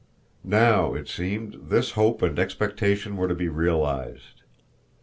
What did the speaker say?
Now, it seemed, this hope and expectation were to be realized.